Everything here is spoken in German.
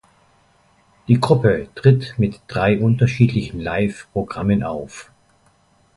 Die Gruppe tritt mit drei unterschiedlichen Live-Programmen auf.